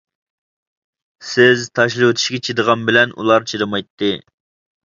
سىز تاشلىۋېتىشكە چىدىغان بىلەن ئۇلار چىدىمايتتى.